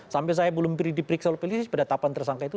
sampai saya belum diperiksa oleh polisi penetapan tersangka itu